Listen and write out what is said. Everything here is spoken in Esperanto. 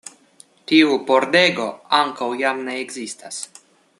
Tiu pordego ankaŭ jam ne ekzistas.